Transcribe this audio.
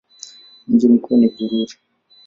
Mji mkuu ni Bururi.